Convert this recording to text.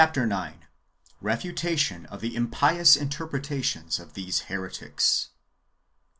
ix. — Refutation of the impious interpretations of tliese heretics.